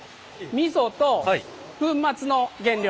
味噌と粉末の原料